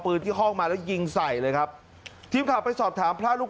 ที่ห้องมาแล้วยิงใส่เลยครับทีมข่าวไปสอบถามพระลูก